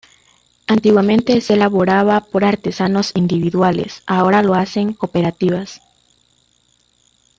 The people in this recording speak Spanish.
Antiguamente se elaboraba por artesanos individuales, ahora lo hacen cooperativas.